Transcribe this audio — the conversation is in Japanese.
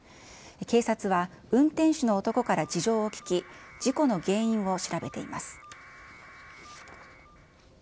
警察は、運転手の男から事情を聴き、事故の原因を調べています。